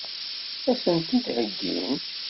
Ad sen-t-id-heggint?